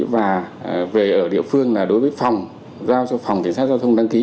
và về ở địa phương là đối với phòng giao cho phòng cảnh sát giao thông đăng ký